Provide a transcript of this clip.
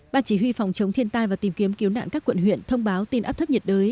ban chỉ huy phòng chống thiên tai và tìm kiếm cứu nạn các quận huyện thông báo tin áp thấp nhiệt đới